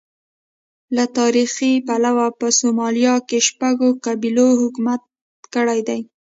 له تاریخي پلوه په سومالیا کې شپږو قبیلو حکومت کړی دی.